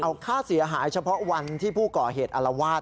เอาค่าเสียหายเฉพาะวันที่ผู้ก่อเหตุอารวาส